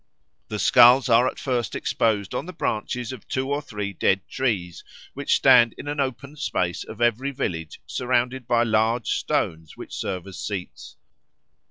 The skulls are at first exposed on the branches of two or three dead trees which stand in an open space of every village surrounded by large stones which serve as seats.